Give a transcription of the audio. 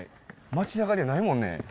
街なかにはないもんね。